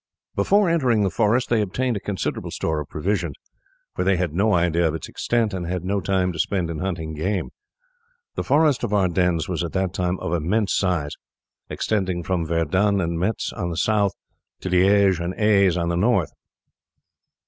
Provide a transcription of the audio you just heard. Before entering the forest they obtained a considerable store of provisions; for they had no idea of its extent, and had no time to spend in hunting game. The forest of Ardennes was at that time of immense size, extending from Verdun and Metz on the south, to Liege and Aix on the north.